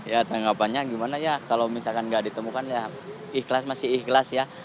ya tanggapannya gimana ya kalau misalkan nggak ditemukan ya ikhlas masih ikhlas ya